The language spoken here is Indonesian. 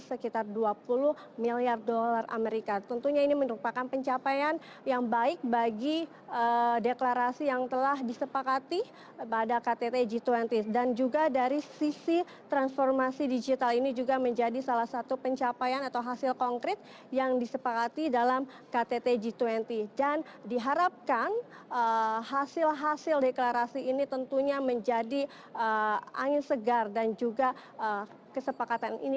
sekitar dua puluh miliar dolar amerika tentunya ini merupakan pencapaian yang baik bagi deklarasi yang telah disepakati pada ktt g dua puluh dan juga dari sisi transformasi digital ini juga menjadi salah satu pencapaian atau hasil konkret yang disepakati dalam ktt g dua puluh dan diharapkan hasil hasil deklarasi ini tentunya menjadi angin segar dan juga kesepakatan ini